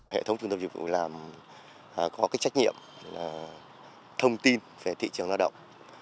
hệ thống trung tâm dịch vụ việc làm có trách nhiệm là thông tin về thị trường lao động